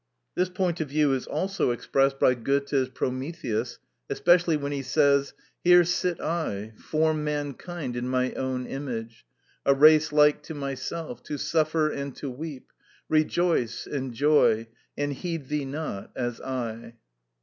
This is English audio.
This point of view is also expressed by Goethe's Prometheus, especially when he says— "Here sit I, form mankind In my own image, A race like to myself, To suffer and to weep, Rejoice, enjoy, And heed thee not, As I."